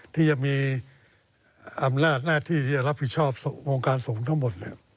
ที่จะมีอำนาจหน้าที่ที่จะรับผิดชอบวงการสงฆ์ทั้งหมด